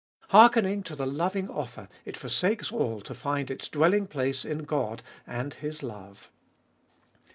Hearkening to the loving offer, it forsakes all to find its dwelling place in God and His love.